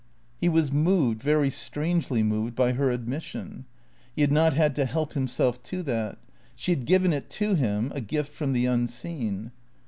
He was moved, very strangely moved, by her admission. He had not had to help himself to that. She had given it to him, a gift from the unseen.